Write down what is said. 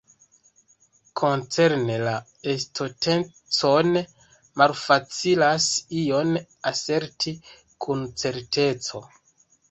Koncerne la estontecon, malfacilas ion aserti kun certeco.